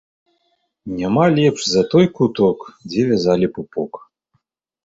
Няма лепш за той куток, дзе вязалі пупок